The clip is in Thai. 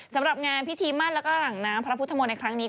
สำหรับงานพิธีมั่นแล้วก็หลังน้ำพระพุทธมนต์ในครั้งนี้